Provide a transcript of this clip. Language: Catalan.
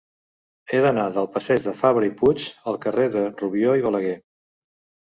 He d'anar del passeig de Fabra i Puig al carrer de Rubió i Balaguer.